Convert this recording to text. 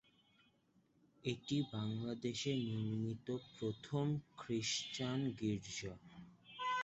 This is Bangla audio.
এটি বাংলাদেশে নির্মিত প্রথম খ্রিস্টান গীর্জা।